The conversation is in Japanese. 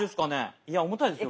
いや重たいですよ